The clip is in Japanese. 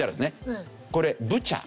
これ「ブチャ」。